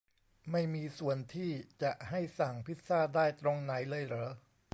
ไม่มีส่วนที่จะให้สั่งพิซซ่าได้ตรงไหนเลยเหรอ